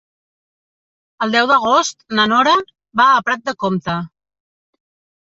El deu d'agost na Nora va a Prat de Comte.